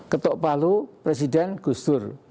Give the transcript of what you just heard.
ketua palu presiden gusur